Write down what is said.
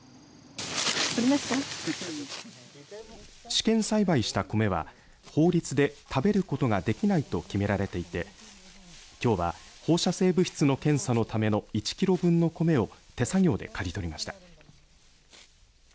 試験栽培したコメは法律で食べることができないと決められていてきょうは放射性物質の検査のための１キロ分のコメを手作業で刈り取りました。